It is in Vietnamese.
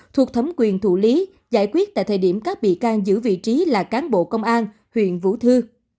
thuộc thấm quyền thủ lý giải quyết tại thời điểm các bị can giữ vị trí là cán bộ công an huyện vũ thư